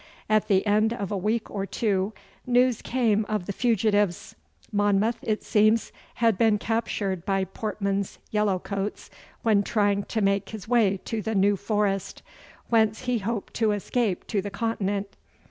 At the end of a week or two news came of the fugitives. Monmouth, it seems, had been captured by Portman's yellow coats when trying to make his way to the New Forest, whence he hoped to escape to the Continent.